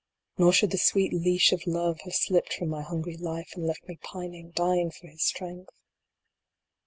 Nor should the sweet leash of Love have slipped from my hungry life, and left me pining, dying for his strength.